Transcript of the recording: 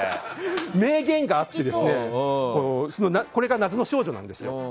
名言があってこれが謎の少女なんですよ。